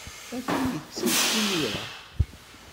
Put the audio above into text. Atan yettett imir-a.